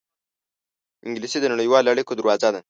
انګلیسي د نړیوالو اړېکو دروازه ده